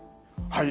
はい。